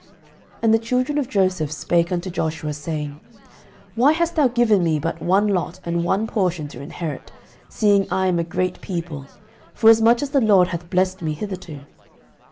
06:017:014 And the children of Joseph spake unto Joshua, saying, Why hast thou given me but one lot and one portion to inherit, seeing I am a great people, forasmuch as the LORD hath blessed me hitherto?